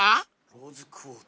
ローズクォーツ。